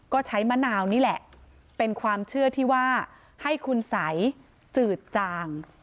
ก็ใช้มะนาวนี่แหละเป็นความเชื่อที่ว่าให้คุณสัยจืดจาง